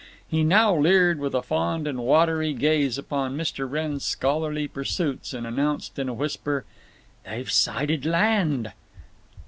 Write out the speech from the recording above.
He now leered with a fond and watery gaze upon Mr. Wrenn's scholarly pursuits, and announced in a whisper: "They've sighted land."